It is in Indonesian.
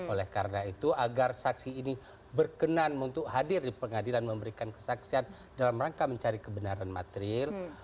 oleh karena itu agar saksi ini berkenan untuk hadir di pengadilan memberikan kesaksian dalam rangka mencari kebenaran material